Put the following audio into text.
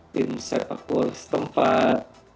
tim set apu setempat